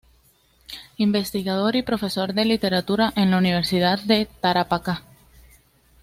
Investigador y Profesor de Literatura en la Universidad de Tarapacá.